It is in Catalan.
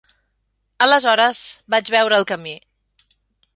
Aleshores, vaig veure el camí.